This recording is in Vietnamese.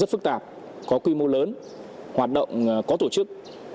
rất phức tạp có quy mô lớn hoạt động có tổ chức